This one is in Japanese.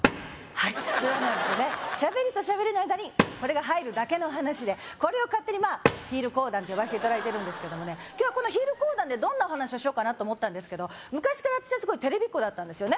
はい喋りと喋りの間にこれが入るだけの話でこれを勝手にヒール講談って呼ばせていただいてるんですが今日はこのヒール講談でどんなお話をしようかなと思ったんですけど昔から私はすごいテレビっ子だったんですよね